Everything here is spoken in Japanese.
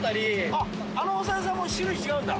あっあのお猿さんも種類違うんだ。